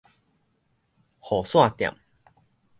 雨傘店